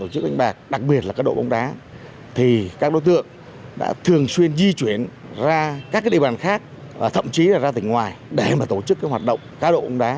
các đối tượng đã thường xuyên di chuyển ra các địa bàn khác thậm chí là ra tỉnh ngoài để tổ chức hoạt động cá độ bóng đá